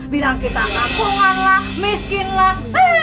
bilang kita tampungan lah miskin lah